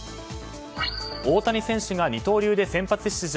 大谷選手が二刀流で先発出場。